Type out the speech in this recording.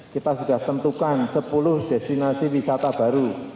kita sudah tentukan sepuluh destinasi wisata baru